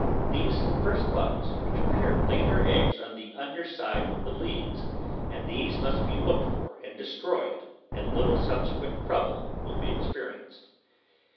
These first bugs which appear lay their eggs on the under side of the leaves, and these must be looked for and destroj^ed and little subsequent trouble will be experienced.